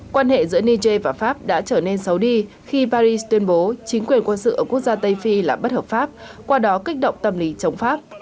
quan hệ giữa niger và pháp đã trở nên xấu đi khi paris tuyên bố chính quyền quân sự ở quốc gia tây phi là bất hợp pháp qua đó kích động tâm lý chống pháp